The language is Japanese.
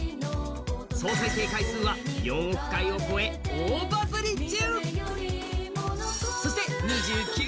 総再生回数は４億回を超え大バズり中！